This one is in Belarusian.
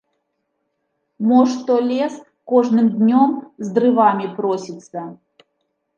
Мо што лес кожным днём з дрывамі просіцца.